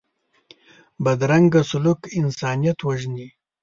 بدرنګه سلوک انسانیت وژني